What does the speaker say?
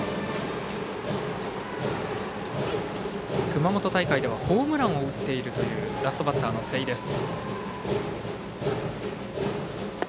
熊本大会ではホームランを打っているというラストバッターの瀬井です。